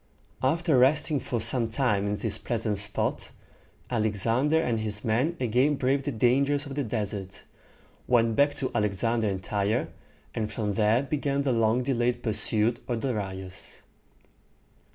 After resting for some time in this pleasant spot, Alexander and his men again braved the dangers of the desert, went back to Alexandria and Tyre, and from there began the long delayed pursuit of Darius.